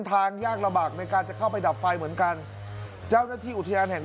ทางยากระบากในการจะเข้าไปดับไฟเหมือนกันเจ้าหน้าที่อุทยานแห่ง